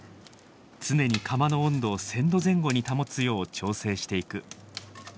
常に釜の温度を１，０００度前後に保つよう調整していく。